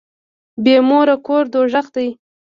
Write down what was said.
بي موره کور دوږخ دی.